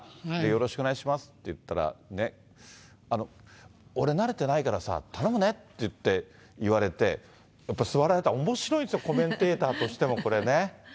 よろしくお願いしますって言ったら、俺、慣れてないからさ、頼むねって言って、言われて、やっぱり座られたら、おもしろいんですよ、コメンテーターとしてもね。